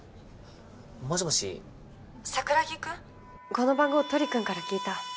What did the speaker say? この番号トリくんから聞いた。